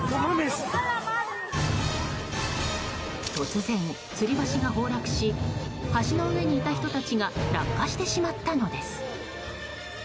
突然、つり橋が崩落し橋の上にいた人たちが落下してしまったのです。